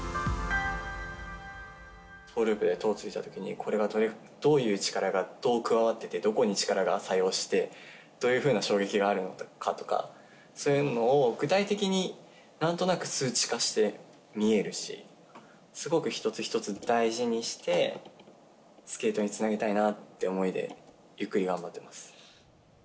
トーループでトウついたときに、これがどういう力がどう加わってて、どこに力が作用して、どういうふうな衝撃があるのかとか、そういうものを、具体的になんとなく数値化して見えるし、すごく一つ一つ大事にして、スケートにつなげたいなっていう思いでゆっくり頑張ってます。